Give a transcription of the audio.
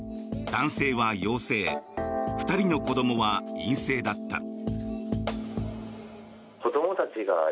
男性は陽性２人の子どもは陰性だった。